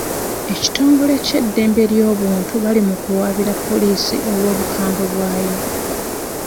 Ekitongole ky'eddembe ly'obuntu bali mu mukuwabira poliisi olw'obukambwe bwayo.